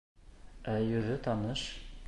Ә йөҙө таныш.